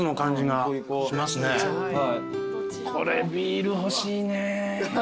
これビール欲しいね。